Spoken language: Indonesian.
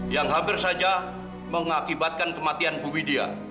yang hampir saja mengakibatkan kematian bu widia